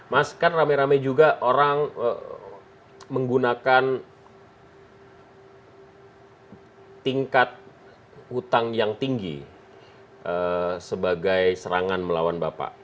mas kan rame rame juga orang menggunakan tingkat utang yang tinggi sebagai serangan melawan bapak